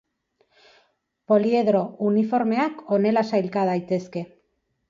Poliedro uniformeak honela sailka daitezke.